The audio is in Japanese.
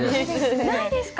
ないですか。